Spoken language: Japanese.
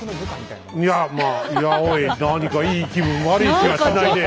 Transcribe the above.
いやまあいやおい何かいい気分悪い気はしないねえ。